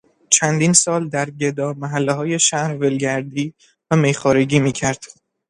چندین سال در گدا محلههای شهر ولگردی و میخوارگی میکرد.